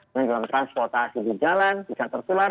menjalankan transportasi di jalan bisa tertular